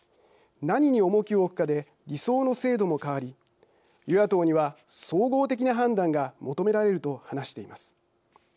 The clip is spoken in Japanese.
何に重きを置くかで理想の制度も変わり与野党には総合的な判断が求められる」と話しています。